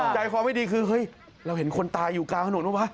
ใจคอไม่ดีคือเฮ้ยเราเห็นคนตายอยู่กลางถนนบ้างวะ